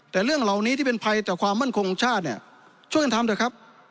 แต่เรื่องเหล่านี้ที่เป็นภัยต่อความมั่นคงของชาติเนี่ยช่วยกันทำเถอะครับ